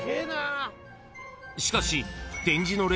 ［しかし］